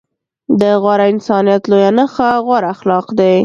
د غوره انسانيت لويه نښه غوره اخلاق دي.